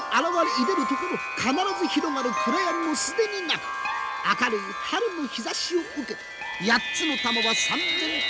いでるところ必ず広がる暗闇も既になく明るい春の日ざしを受け八つの珠はさん然と輝きます。